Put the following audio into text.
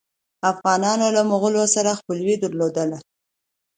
افغانانو له مغولو سره خپلوي درلودله.